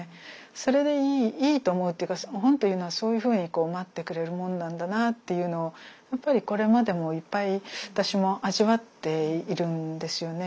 それでいいと思うっていうか本っていうのはそういうふうに待ってくれるもんなんだなっていうのをやっぱりこれまでもいっぱい私も味わっているんですよね。